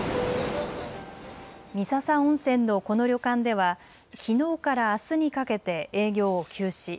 三朝温泉のこの旅館ではきのうからあすにかけて営業を休止。